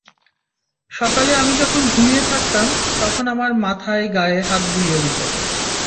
সকালে আমি যখন ঘুমিয়ে থাকতাম, তখন আমার মাথায় গায়ে হাত বুলিয়ে দিতেন।